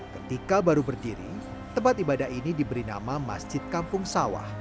ketika baru berdiri tempat ibadah ini diberi nama masjid kampung sawah